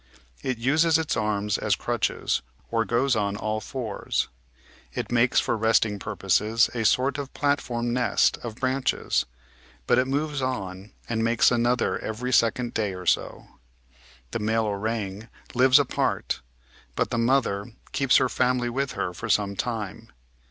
It uses its arms as crutches or goes on all fours. It makes for resting purposes a sort of platform nest of branches, but it moves on and makes another every second day or so. The male orang lives apart; but the mother keeps her family with her for some time.